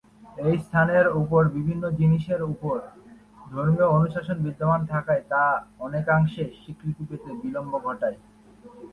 এই স্থানের উপর বিভিন্ন জিনিসের উপর ধর্মীয় অনুশাসন বিদ্যমান থাকায় তা অনেকাংশে স্বীকৃতি পেতে বিলম্ব ঘটায়।